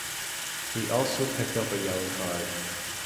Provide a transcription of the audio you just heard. He also picked up a yellow card.